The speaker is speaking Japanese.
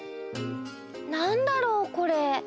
なんだろうこれ？